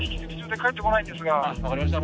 はい分かりました。